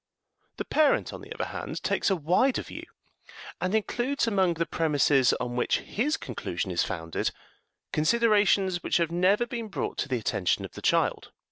The parent, on the other hand, takes a wider view, and includes among the premises on which his conclusion is founded considerations which have never been brought to the attention of the child.